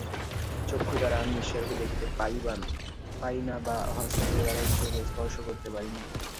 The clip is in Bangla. চক্ষুদ্বারা আমি ঈশ্বরকে দেখিতে পাই না বা হস্তদ্বারা ঈশ্বরকে স্পর্শ করিতে পারি না।